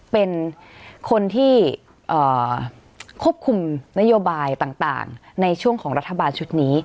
เป็นคนที่ควบคุมนโยบายต่างในช่วงของรัฐบาลชุดนี้